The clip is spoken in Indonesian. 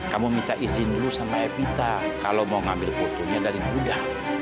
kamu minta izin dulu sama evita kalau mau ngambil fotonya dari muda